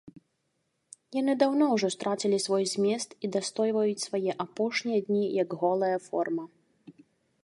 Яны даўно ўжо страцілі свой змест і дастойваюць свае апошнія дні як голая форма.